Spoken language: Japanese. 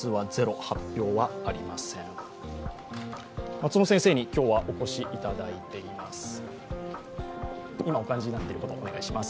松本先生に今日はお越しいただいています。